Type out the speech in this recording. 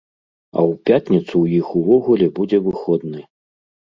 А ў пятніцу ў іх увогуле будзе выходны.